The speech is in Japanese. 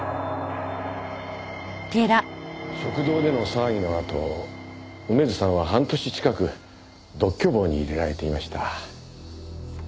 食堂での騒ぎのあと梅津さんは半年近く独居房に入れられていました。